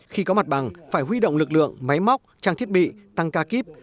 khi có mặt bằng phải huy động lực lượng máy móc trang thiết bị tăng ca kíp